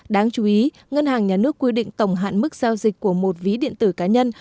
đáng chú ý ngân hàng nhà nước quy định tổng hạn mức giao dịch của một ví điện tử cá nhân